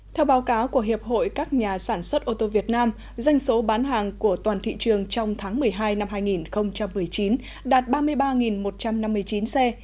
theo báo cáo của hiệp hội các nhà sản xuất ô tô việt nam doanh số bán hàng của toàn thị trường trong tháng một mươi hai năm hai nghìn một mươi chín đạt ba mươi ba một trăm năm mươi chín xe